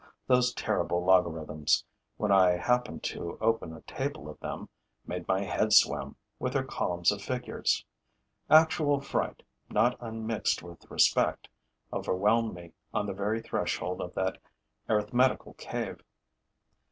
Those terrible logarithms, when I happened to open a table of them, made my head swim, with their columns of figures; actual fright, not unmixed with respect, overwhelmed me on the very threshold of that arithmetical cave.